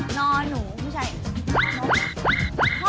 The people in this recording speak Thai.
หน้าหนูไม่ใช่คอน้ำกุก